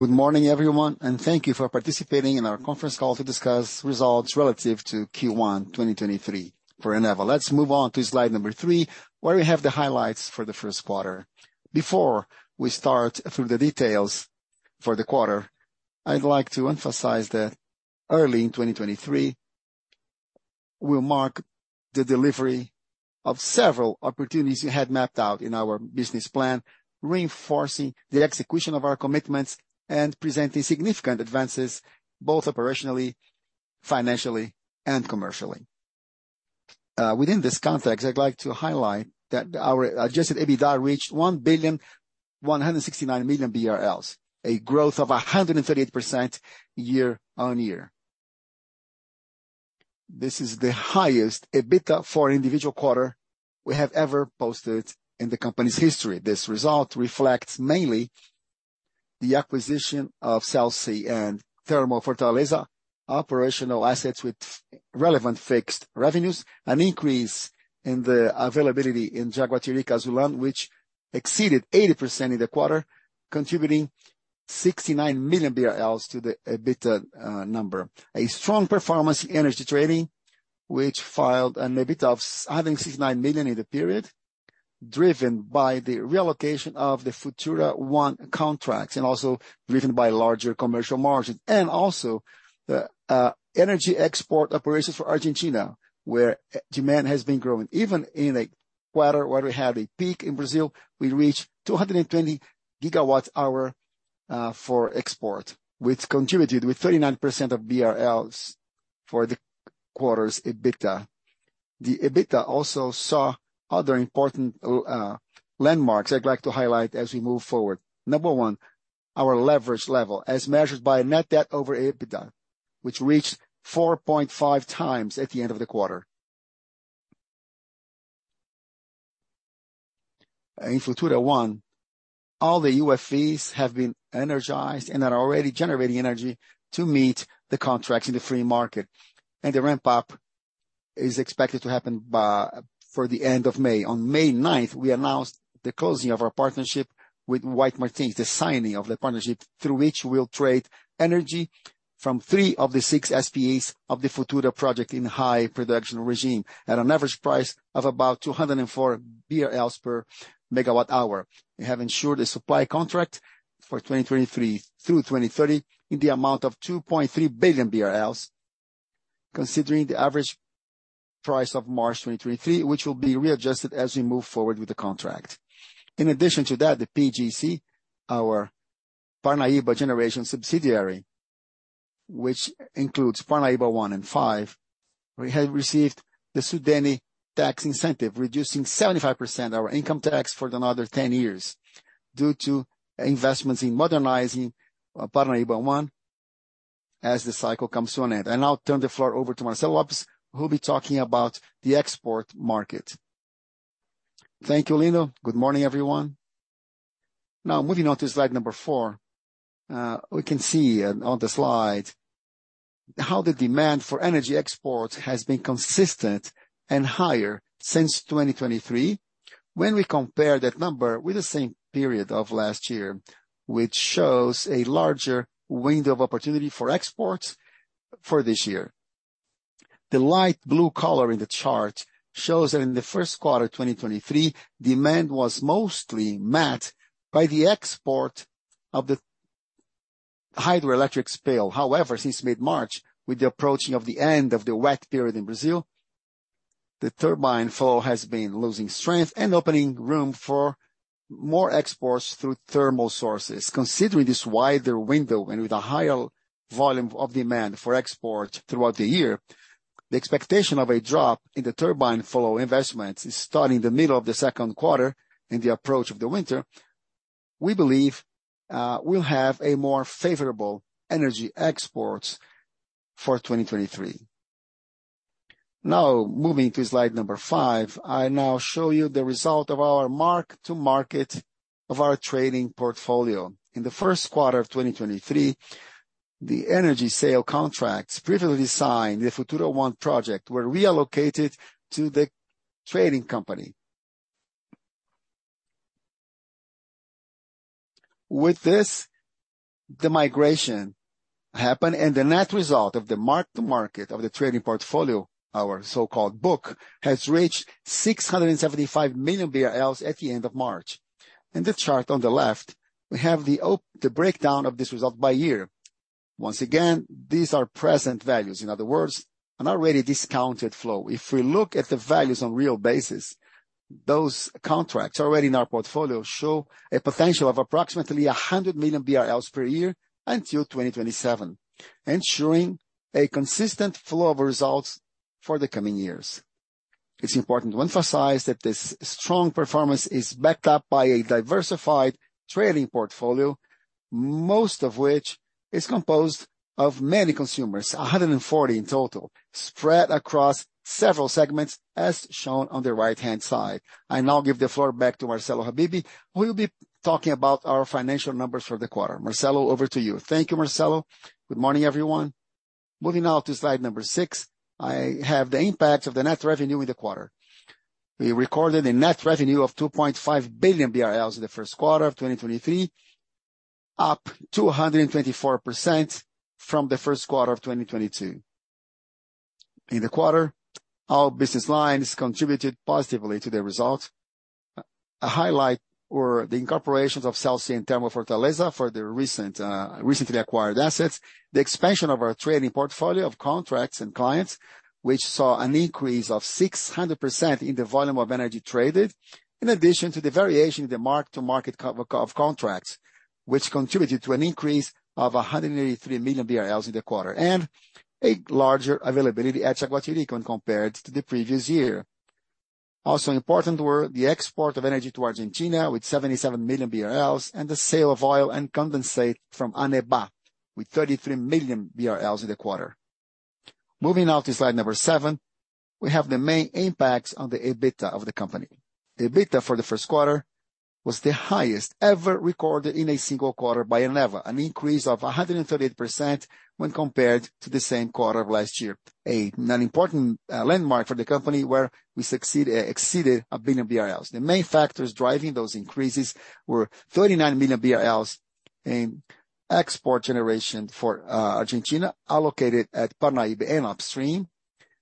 Good morning, everyone, and thank you for participating in our conference call to discuss results relative to Q1 2023 for Eneva. Let's move on to slide 3, where we have the highlights for the first quarter. Before we start through the details for the quarter, I'd like to emphasize that early in 2023 will mark the delivery of several opportunities we had mapped out in our business plan, reinforcing the execution of our commitments and presenting significant advances both operationally, financially, and commercially. Within this context, I'd like to highlight that our adjusted EBITDA reached BRL 1.169 billion, a growth of 138% year-over-year. This is the highest EBITDA for individual quarter we have ever posted in the company's history. This result reflects mainly the acquisition of CELSE and Termofortaleza operational assets with relevant fixed revenues, an increase in the availability in Jaguatirica Azulão, which exceeded 80% in the quarter, contributing 69 million BRL to the EBITDA number. A strong performance in energy trading, which filed an EBITDA of 69 million in the period, driven by the reallocation of the Futura 1 contracts and also driven by larger commercial margins and also the energy export operations for Argentina, where demand has been growing. Even in a quarter where we have a peak in Brazil, we reached 220 gigawatts hours for export, which contributed with 39% of BRL for the quarter's EBITDA. The EBITDA also saw other important landmarks I'd like to highlight as we move forward. Number one, our leverage level as measured by net debt over EBITDA, which reached 4.5 times at the end of the quarter. In Futura 1, all the UFVs have been energized and are already generating energy to meet the contracts in the free market. The ramp-up is expected to happen by the end of May. On May 9, we announced the closing of our partnership with White Martins, the signing of the partnership through which we'll trade energy from three of the six SPAs of the Futura project in high production regime at an average price of about 204 BRL per megawatt hour. We have ensured a supply contract for 2023 through 2030 in the amount of 2.3 billion BRL, considering the average price of March 2023, which will be readjusted as we move forward with the contract. In addition to that, the PGC, our Parnaíba generation subsidiary, which includes Parnaíba One and Five. We have received the SUDENE tax incentive, reducing 75% our income tax for another 10 years due to investments in modernizing Parnaíba One as the cycle comes to an end. I now turn the floor over to Marcelo Alves who'll be talking about the export market. Thank you, Lino. Good morning, everyone. Moving on to slide 4. We can see on the slide how the demand for energy exports has been consistent and higher since 2023 when we compare that number with the same period of last year, which shows a larger window of opportunity for exports for this year. The light blue color in the chart shows that in the first quarter 2023, demand was mostly met by the export of the hydroelectric spill. Since mid-March, with the approaching of the end of the wet period in Brazil, the turbine flow has been losing strength and opening room for more exports through thermal sources. Considering this wider window and with a higher volume of demand for exports throughout the year, the expectation of a drop in the turbine flow investments is starting the middle of the second quarter in the approach of the winter. We believe, we'll have a more favorable energy exports for 2023. Moving to slide 5. I now show you the result of our mark-to-market of our trading portfolio. In the first quarter of 2023, the energy sale contracts previously signed, the Futura 1 project, were reallocated to the trading company. With this, the migration happened, The net result of the mark-to-market of the trading portfolio, our so-called book, has reached 675 million BRL at the end of March. In the chart on the left, we have the breakdown of this result by year. Once again, these are present values. In other words, an already discounted flow. If we look at the values on real basis, those contracts already in our portfolio show a potential of approximately 100 million BRL per year until 2027, ensuring a consistent flow of results for the coming years. It's important to emphasize that this strong performance is backed up by a diversified trading portfolio, most of which is composed of many consumers, 140 in total, spread across several segments as shown on the right-hand side. I now give the floor back to Marcelo Habibe, who will be talking about our financial numbers for the quarter. Marcelo, over to you. Thank you, Marcelo. Good morning, everyone. Moving on to slide number 6, I have the impact of the net revenue in the quarter. We recorded a net revenue of 2.5 billion BRL in the first quarter of 2023, up 224% from the first quarter of 2022. In the quarter, our business lines contributed positively to the results. A highlight were the incorporations of CELSE and Termofortaleza for the recent, recently acquired assets, the expansion of our trading portfolio of contracts and clients, which saw an increase of 600% in the volume of energy traded, in addition to the variation in the mark-to-market contracts, which contributed to an increase of 183 million BRL in the quarter, and a larger availability at Jaguatirica when compared to the previous year. Also important were the export of energy to Argentina with 77 million BRL, and the sale of oil and condensate from Anebá with 33 million BRL in the quarter. Moving on to slide 7, we have the main impacts on the EBITDA of the company. The EBITDA for the first quarter was the highest ever recorded in a single quarter by Eneva, an increase of 138% when compared to the same quarter of last year. An important landmark for the company where we exceeded 1 billion BRL. The main factors driving those increases were 39 million BRL in export generation for Argentina, allocated at Parnaíba and upstream.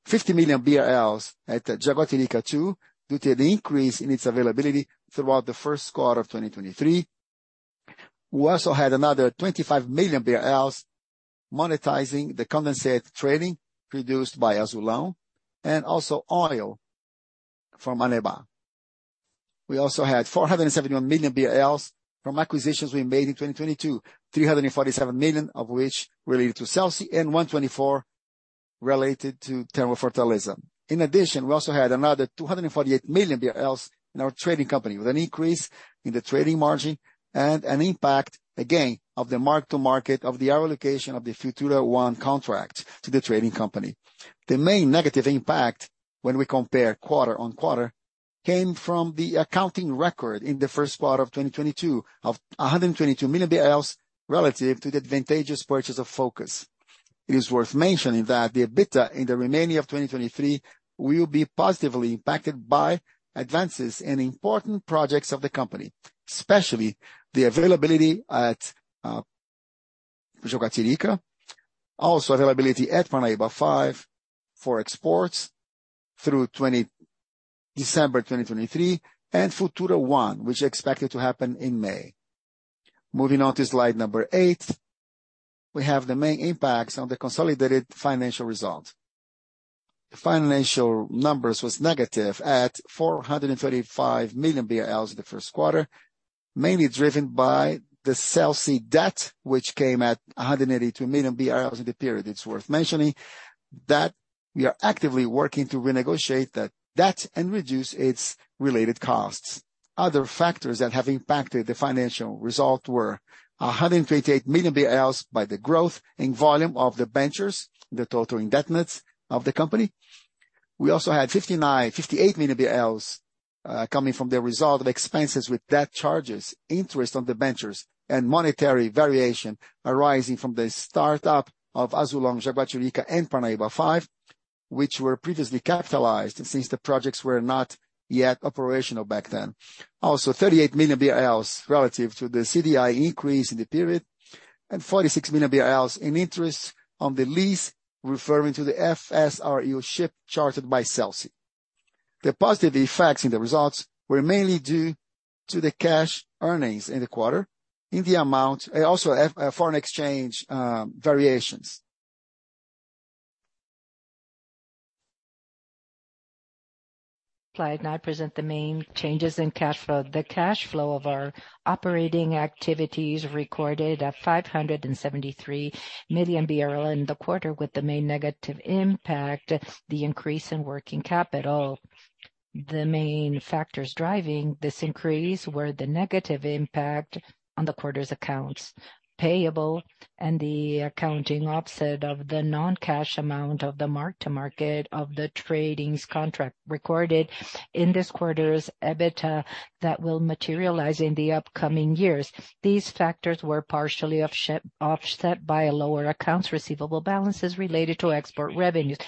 50 million BRL at Jaguatirica II, due to the increase in its availability throughout the first quarter of 2023. We also had another 25 million BRL monetizing the condensate trading produced by Azulão and also oil from Anebá. We also had 471 million from acquisitions we made in 2022, 347 million of which related to CELSE and 124 million related to Termofortaleza. In addition, we also had another 248 million in our trading company, with an increase in the trading margin and an impact, again, of the mark-to-market of the allocation of the Futura 1 contract to the trading company. The main negative impact when we compare quarter on quarter came from the accounting record in the first quarter of 2022 of 122 million relative to the advantageous purchase of Focus. It is worth mentioning that the EBITDA in the remaining of 2023 will be positively impacted by advances in important projects of the company, especially the availability at Jaguatirica, also availability at Parnaíba Five for exports through December 2023, and Futura 1, which is expected to happen in May. Moving on to slide 8, we have the main impacts on the consolidated financial results. The financial numbers was negative at 435 million BRL in the first quarter, mainly driven by the CELSE debt, which came at 182 million BRL in the period. It's worth mentioning that we are actively working to renegotiate that debt and reduce its related costs. Other factors that have impacted the financial result were 128 million by the growth in volume of debentures, the total indebtedness of the company. We also had 58 million coming from the result of expenses with debt charges, interest on debentures, and monetary variation arising from the startup of Azulão, Jaguatirica, and Parnaíba Five, which were previously capitalized since the projects were not yet operational back then. 38 million BRL relative to the CDI increase in the period, and 46 million BRL in interest on the lease, referring to the FSRU ship chartered by CELSE. The positive effects in the results were mainly due to the cash earnings in the quarter in the amount. Foreign exchange variations. Slide 9 present the main changes in cash flow. The cash flow of our operating activities recorded at 573 million in the quarter, with the main negative impact, the increase in working capital. The main factors driving this increase were the negative impact on the quarter's accounts payable and the accounting offset of the non-cash amount of the mark-to-market of the tradings contract recorded in this quarter's EBITDA that will materialize in the upcoming years. These factors were partially offset by lower accounts receivable balances related to export revenues.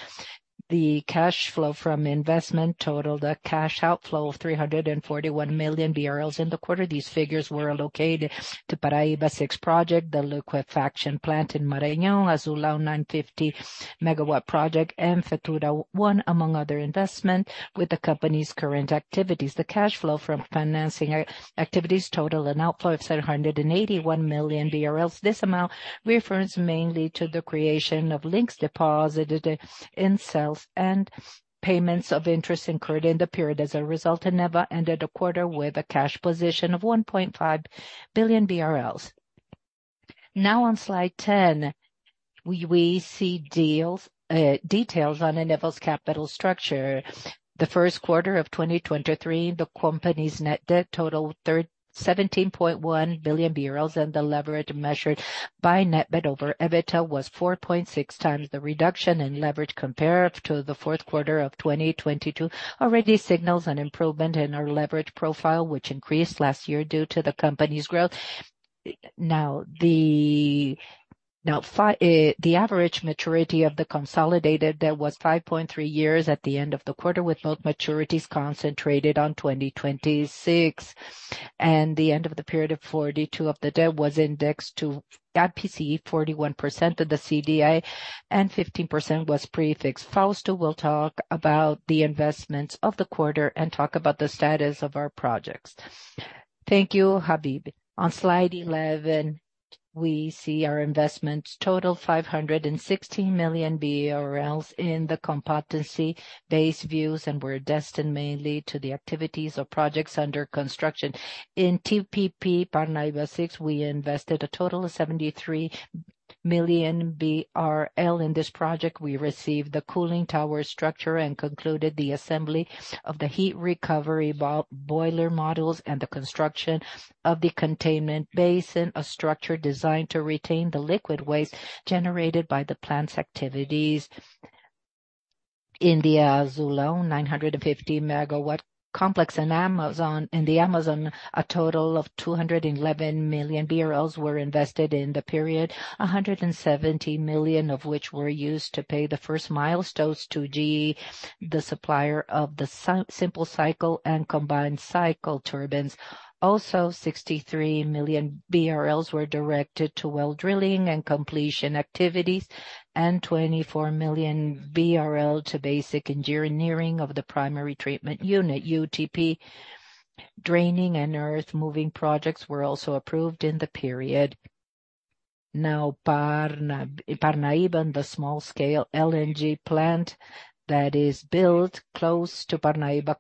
The cash flow from investment totaled a cash outflow of 341 million BRL in the quarter. These figures were allocated to Parnaíba VI project, the liquefaction plant in Maranhão, Azulão 950 MW project, and Futura 1, among other investments, with the company's current activities. The cash flow from financing activities totaled an outflow of 781 million BRL. This amount refers mainly to the creation of links deposited in sales and payments of interest incurred in the period. As a result, Eneva ended the quarter with a cash position of 1.5 billion BRL. Now on slide 10, we see details on Eneva's capital structure. The first quarter of 2023, the company's net debt totaled 17.1 billion BRL, and the leverage measured by net debt over EBITDA was 4.6 times. The reduction in leverage compared to the fourth quarter of 2022 already signals an improvement in our leverage profile, which increased last year due to the company's growth. Now, the average maturity of the consolidated debt was 5.3 years at the end of the quarter, with both maturities concentrated on 2026. The end of the period 42% of the debt was indexed to IPCA, 41% of the CDI and 15% was prefix. Fausto will talk about the investments of the quarter and talk about the status of our projects. Thank you, Habib. On slide 11, we see our investments total 516 million BRL in the competency-based views, and were destined mainly to the activities of projects under construction. In TPP Parnaíba VI, we invested a total of 73 million BRL. In this project, we received the cooling tower structure and concluded the assembly of the heat recovery boiler models and the construction of the containment basin, a structure designed to retain the liquid waste generated by the plant's activities. In the Azulão 950 MW complex in the Amazon, a total of 211 million were invested in the period, 170 million of which were used to pay the first milestones to GE, the supplier of the simple cycle and combined cycle turbines. Also, 63 million BRL were directed to well drilling and completion activities, and 24 million BRL to basic engineering of the primary treatment unit, UTP. Draining and earth-moving projects were also approved in the period. Parnaíba and the small scale LNG plant that is built close to Parnaíba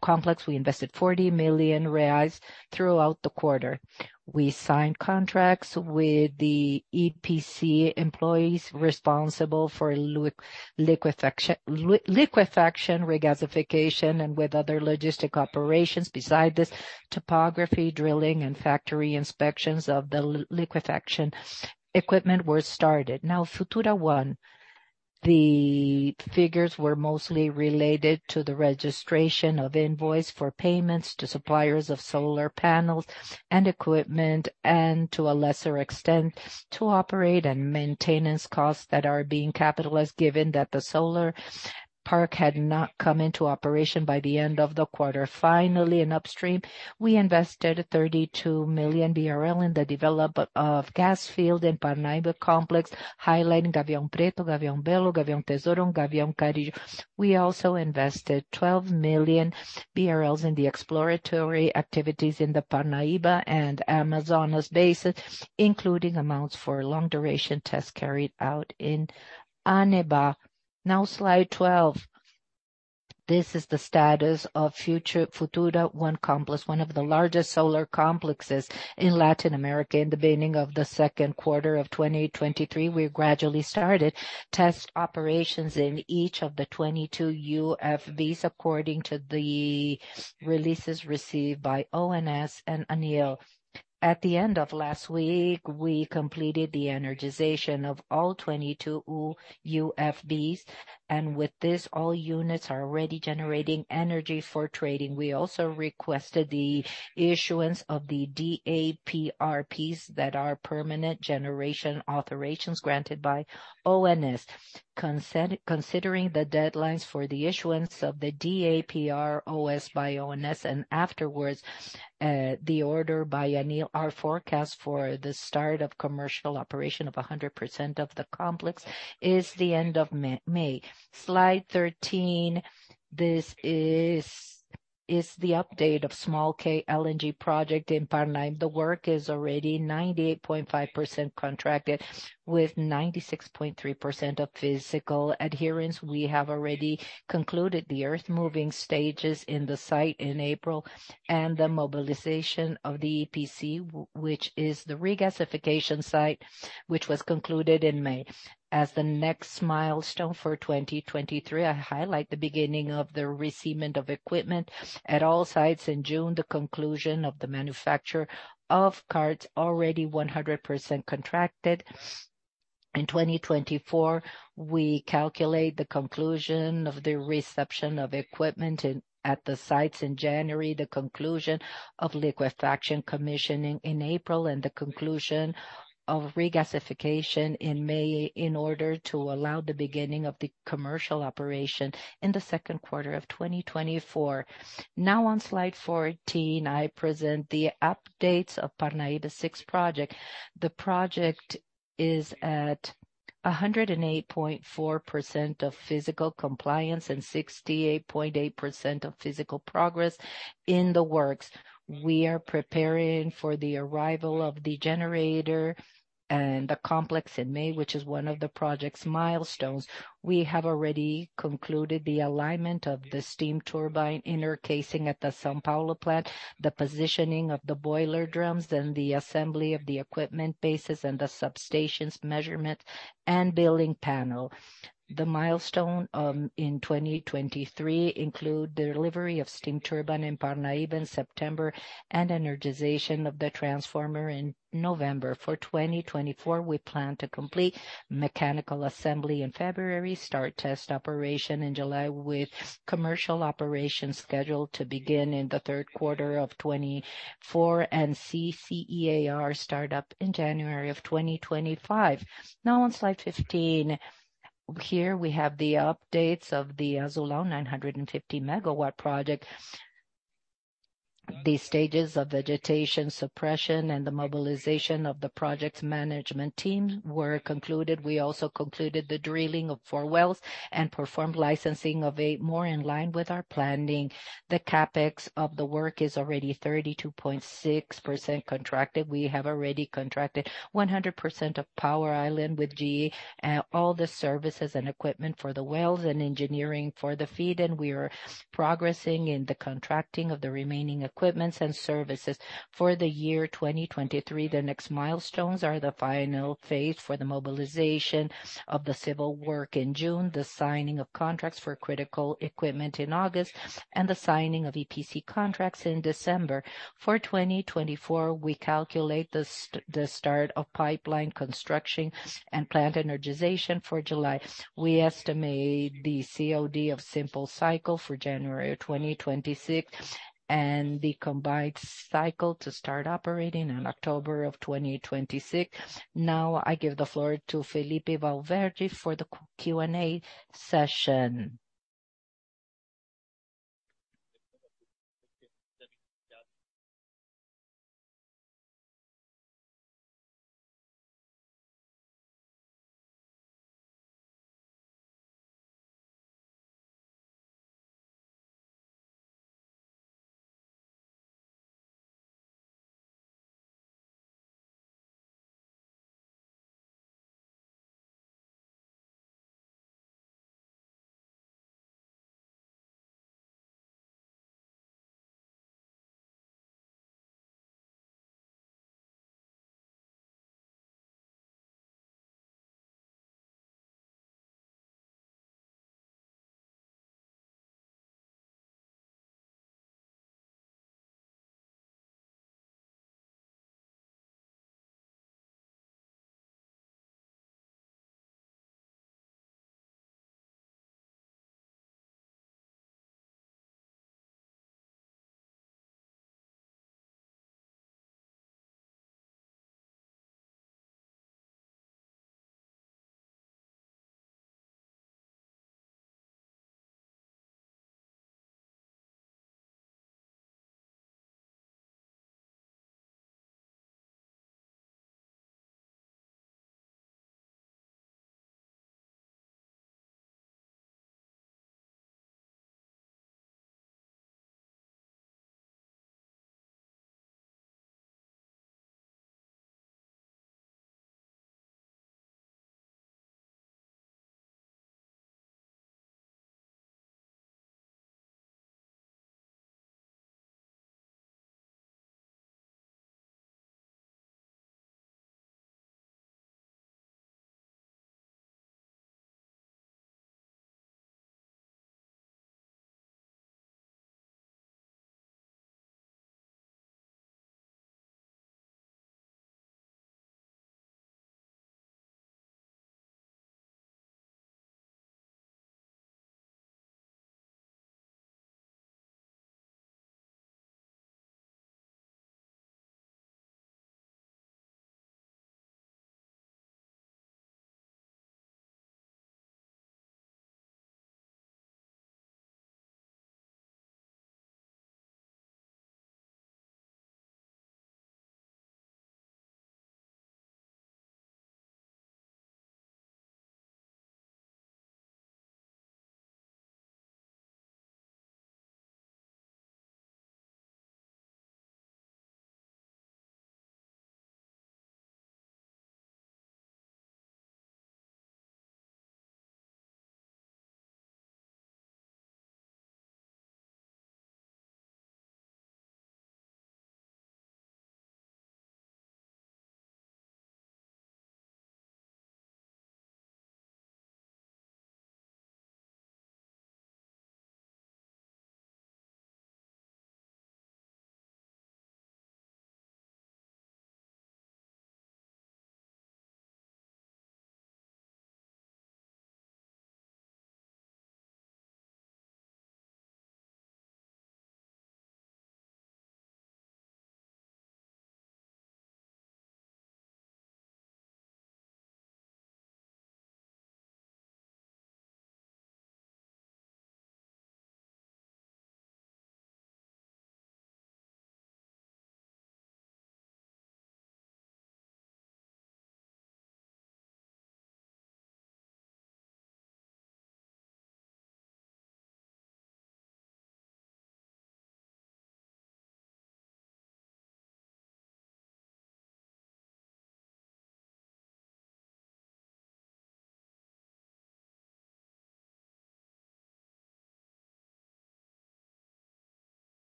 complex, we invested 40 million reais throughout the quarter. We signed contracts with the EPC employees responsible for liquefaction regasification, and with other logistic operations. Besides this, topography, drilling and factory inspections of the liquefaction equipment were started. Futura 1, the figures were mostly related to the registration of invoices for payments to suppliers of solar panels and equipment, and to a lesser extent, to operating and maintenance costs that are being capitalized, given that the solar park had not come into operation by the end of the quarter. Finally, in upstream, we invested 32 million BRL in the development of gas fields in Parnaíba complex, highlighting Gavião Preto, Gavião Belo, Gavião Tesouro, Gavião Carijó. We also invested 12 million BRL in the exploratory activities in the Parnaíba and Amazonas basins, including amounts for long-duration tests carried out in Anebá. Now slide 12. This is the status of Futura 1 complex, one of the largest solar complexes in Latin America. In the beginning of the second quarter of 2023, we gradually started test operations in each of the 22 UFBs according to the releases received by ONS and ANEEL. At the end of last week, we completed the energization of all 22 UFBs. With this, all units are already generating energy for trading. We also requested the issuance of the DAP that are permanent generation authorizations granted by ONS. Considering the deadlines for the issuance of the DAP by ONS and afterwards, the order by ANEEL, our forecast for the start of commercial operation of 100% of the complex is the end of May. Slide 13. This is the update of small scale LNG project in Parnaíba. The work is already 98.5% contracted with 96.3% of physical adherence. We have already concluded the earth-moving stages in the site in April and the mobilization of the EPC, which is the regasification site, which was concluded in May. As the next milestone for 2023, I highlight the beginning of the receivement of equipment at all sites in June, the conclusion of the manufacture of carts already 100% contracted. In 2024, we calculate the conclusion of the reception of equipment at the sites in January, the conclusion of liquefaction commissioning in April, and the conclusion of regasification in May in order to allow the beginning of the commercial operation in the second quarter of 2024. On slide 14, I present the updates of Parnaíba VI project. The project is at 108.4% of physical compliance and 68.8% of physical progress in the works. We are preparing for the arrival of the generator and the complex in May, which is one of the project's milestones. We have already concluded the alignment of the steam turbine inner casing at the São Paulo plant, the positioning of the boiler drums and the assembly of the equipment bases and the substations measurement and building panel. The milestone in 2023 include the delivery of steam turbine in Parnaíba in September and energization of the transformer in November. For 2024, we plan to complete mechanical assembly in February, start test operation in July, with commercial operations scheduled to begin in the third quarter of 2024 and CCER startup in January of 2025. On slide 15.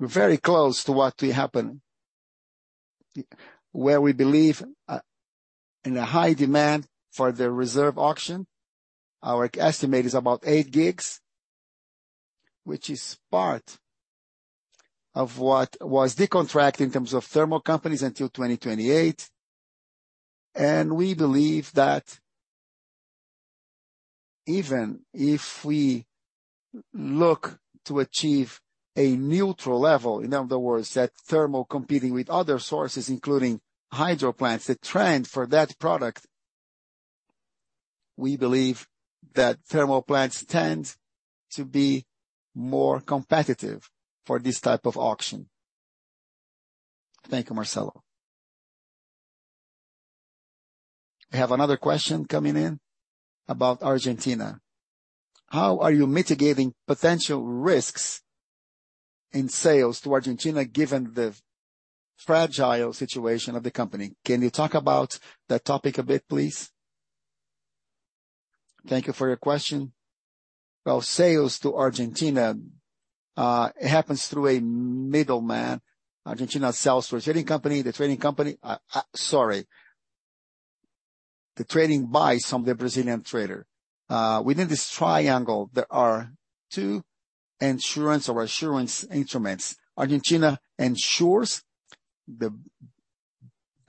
We're very close to what will happen Where we believe, in a high demand for the reserve auction. Our estimate is about 8 GW, which is part of what was decontract in terms of thermal companies until 2028. We believe that even if we look to achieve a neutral level, in other words, that thermal competing with other sources, including hydro plants, the trend for that product, we believe that thermal plants tend to be more competitive for this type of auction. Thank you, Marcelo. I have another question coming in about Argentina. How are you mitigating potential risks in sales to Argentina, given the fragile situation of the company? Can you talk about that topic a bit, please? Thank you for your question. Well, sales to Argentina happens through a middleman. Argentina sells to a trading company. The trading buys from the Brazilian trader. Within this triangle, there are two insurance or assurance instruments. Argentina ensures the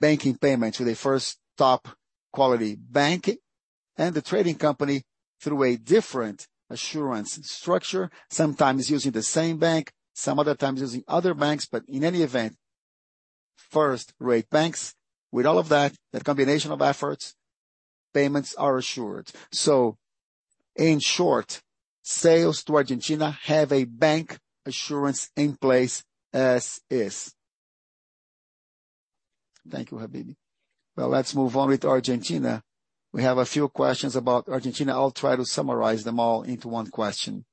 banking payment to the first top quality bank and the trading company through a different assurance structure, sometimes using the same bank, some other times using other banks. In any event, first-rate banks. With all of that combination of efforts, payments are assured. In short, sales to Argentina have a bank assurance in place as is. Thank you, Habibe. Let's move on with Argentina. We have a few questions about Argentina. I'll try to summarize them all into one question.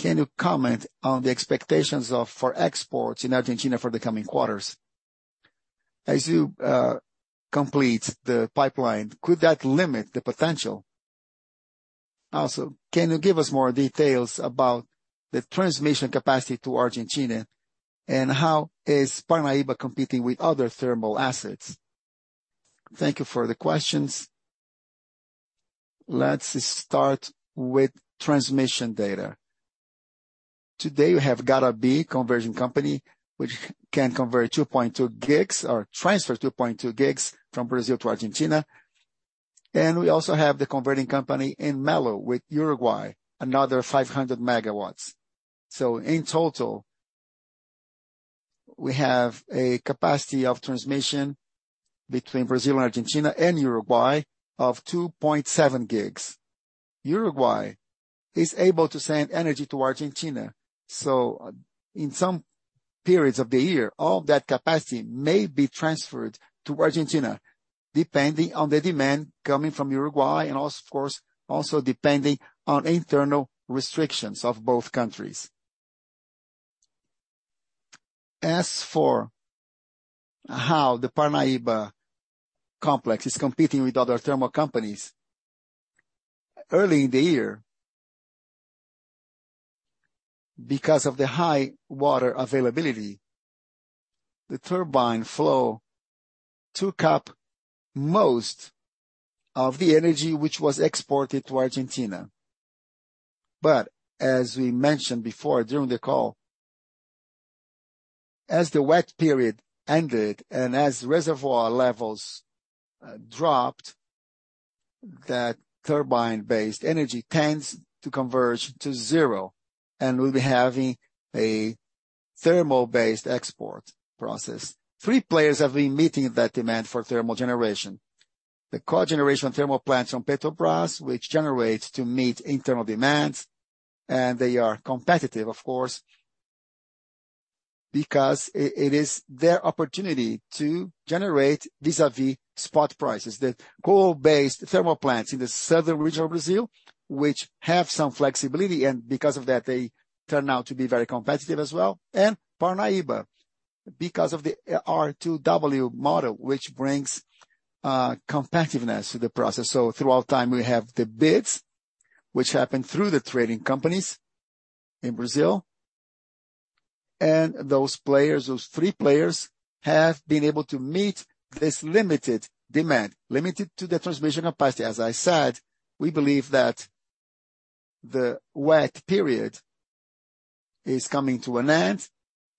Can you comment on the expectations for exports in Argentina for the coming quarters? As you complete the pipeline, could that limit the potential? Also, can you give us more details about the transmission capacity to Argentina, and how is Parnaíba competing with other thermal assets? Thank you for the questions. Let's start with transmission data. Today, we have Garabi conversion company, which can convert 2.2 gigawatts or transfer 2.2 gigawatts from Brazil to Argentina. We also have the converting company in Melo with Uruguay, another 500 MW. In total, we have a capacity of transmission between Brazil and Argentina and Uruguay of 2.7 gigawatts. Uruguay is able to send energy to Argentina. In some periods of the year, all that capacity may be transferred to Argentina, depending on the demand coming from Uruguay, of course, also depending on internal restrictions of both countries. As for how the Parnaíba complex is competing with other thermal companies, early in the year, because of the high water availability, the turbine flow took up most of the energy which was exported to Argentina. As we mentioned before during the call, as the wet period ended and as reservoir levels dropped, that turbine-based energy tends to converge to zero, and we'll be having a thermal-based export process. Three players have been meeting that demand for thermal generation. The cogeneration thermal plants from Petrobras, which generates to meet internal demands, and they are competitive, of course, because it is their opportunity to generate vis-a-vis spot prices. The coal-based thermal plants in the southern region of Brazil, which have some flexibility, and because of that, they turn out to be very competitive as well. Parnaíba, because of the R2W model, which brings competitiveness to the process. Throughout time, we have the bids, which happen through the trading companies in Brazil. Those players, those three players have been able to meet this limited demand, limited to the transmission capacity. As I said, we believe that the wet period is coming to an end.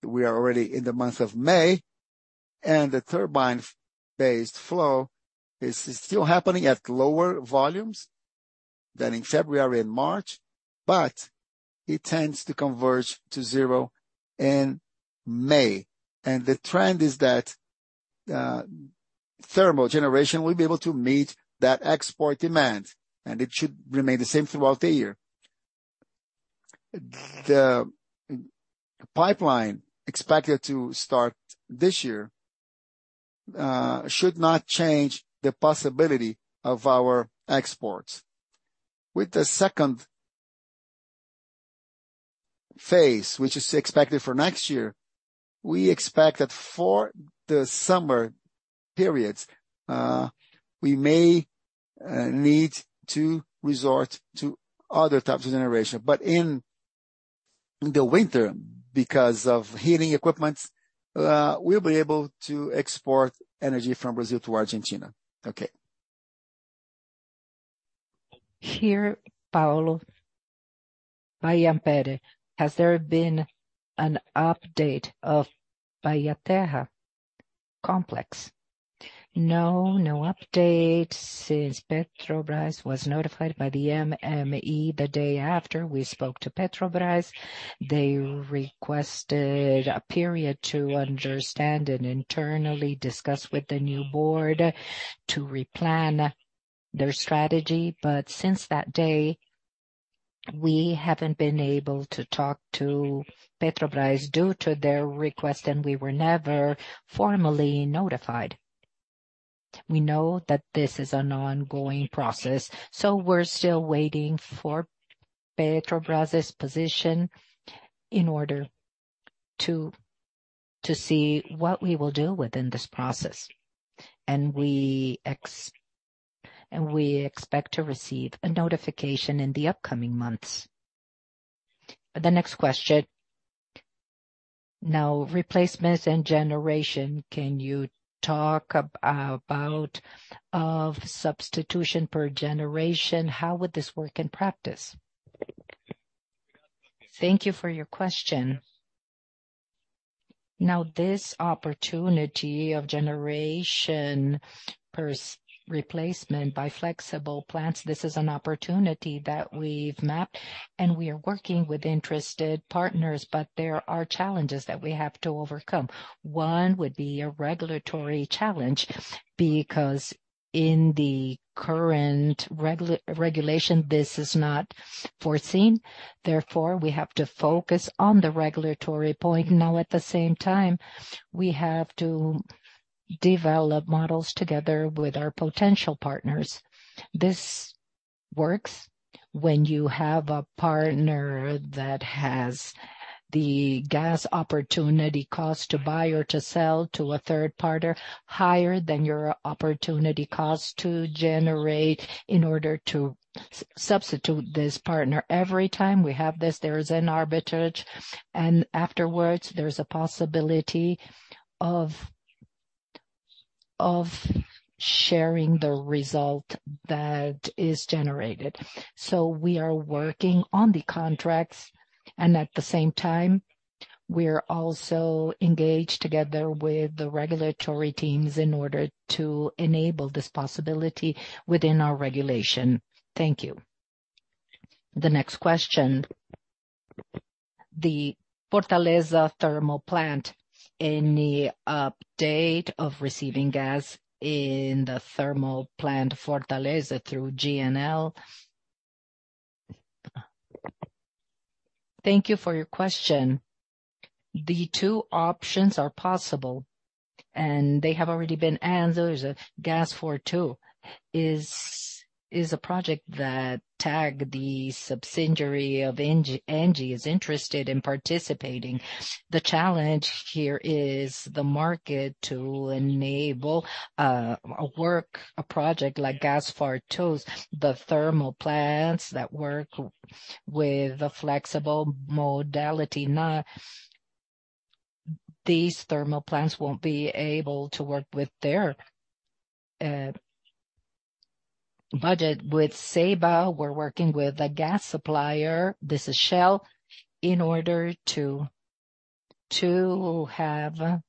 We are already in the month of May, and the turbine-based flow is still happening at lower volumes than in February and March, but it tends to converge to zero in May. The trend is that thermal generation will be able to meet that export demand, and it should remain the same throughout the year. The pipeline expected to start this year should not change the possibility of our exports. With the second phase, which is expected for next year, we expect that for the summer periods, we may need to resort to other types of generation, but in the winter, because of heating equipments, we'll be able to export energy from Brazil to Argentina. Okay. Here, Paolo Gonzaga from Ampere. Has there been an update of Bahia Terra complex? No, no update since Petrobras was notified by the MME the day after we spoke to Petrobras. They requested a period to understand and internally discuss with the new board to replan their strategy. Since that day, we haven't been able to talk to Petrobras due to their request, and we were never formally notified. We know that this is an ongoing process, we're still waiting for Petrobras' position in order to see what we will do within this process. We expect to receive a notification in the upcoming months. The next question. Now, replacements and generation. Can you talk about of substitution per generation? How would this work in practice? Thank you for your question. This opportunity of generation replacement by flexible plants, this is an opportunity that we've mapped and we are working with interested partners, but there are challenges that we have to overcome. One would be a regulatory challenge because in the current regulation, this is not foreseen. Therefore, we have to focus on the regulatory point. At the same time, we have to develop models together with our potential partners. This works when you have a partner that has the gas opportunity cost to buy or to sell to a third party higher than your opportunity cost to generate in order to substitute this partner. Every time we have this, there is an arbitrage, and afterwards there is a possibility of sharing the result that is generated. We are working on the contracts, and at the same time, we are also engaged together with the regulatory teams in order to enable this possibility within our regulation. Thank you. The next question. The Fortaleza thermal plant. Any update of receiving gas in the thermal plant Fortaleza through GNL? Thank you for your question. The two options are possible, and they have already been answered. Gasfor II is a project that TAG, the subsidiary of ENGIE, is interested in participating. The challenge here is the market to enable a project like Gasfor II's, the thermal plants that work with a flexible modality. These thermal plants won't be able to work with their budget. With Cemig, we're working with a gas supplier, this is Shell, in order to have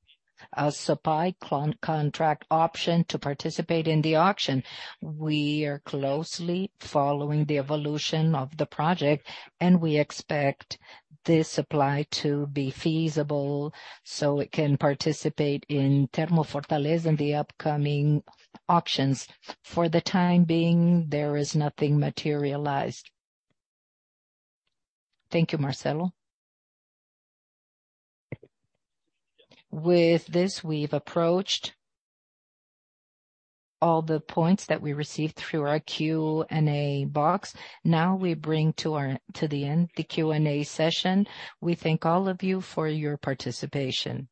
a supply contract option to participate in the auction. We are closely following the evolution of the project, and we expect this supply to be feasible so it can participate in TermoFortaleza in the upcoming auctions. For the time being, there is nothing materialized. Thank you, Marcelo. With this, we've approached all the points that we received through our Q&A box. Now we bring to the end the Q&A session. We thank all of you for your participation.